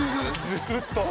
ずっと。